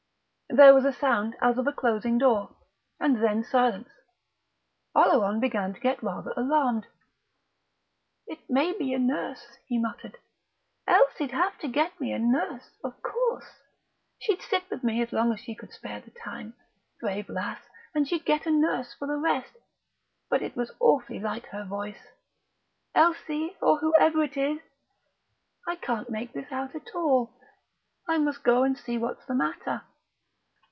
There was a sound as of a closing door, and then silence. Oleron began to get rather alarmed. "It may be a nurse," he muttered; "Elsie'd have to get me a nurse, of course. She'd sit with me as long as she could spare the time, brave lass, and she'd get a nurse for the rest.... But it was awfully like her voice.... Elsie, or whoever it is!... I can't make this out at all. I must go and see what's the matter...."